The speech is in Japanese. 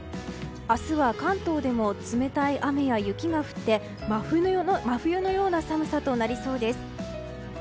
明日は関東でも冷たい雨や雪が降って真冬のような寒さとなりそうです。